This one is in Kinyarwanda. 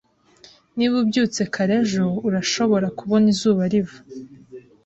Niba ubyutse kare ejo, urashobora kubona izuba riva.